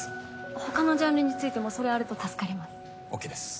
他のジャンルについてもそれあると助かります。ＯＫです。